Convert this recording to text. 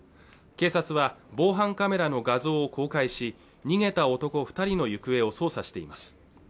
警察は防犯カメラの画像を公開し逃げた男二人の行方を捜査しています